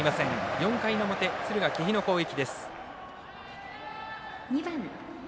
４回の表敦賀気比の攻撃です。